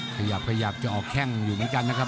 ขยับขยับจะออกแข้งอยู่เหมือนกันนะครับ